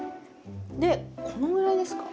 でこのぐらいですか？